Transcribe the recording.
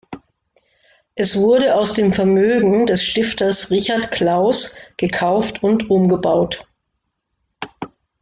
Es wurde aus dem Vermögen des Stifters Richard Clauß gekauft und umgebaut.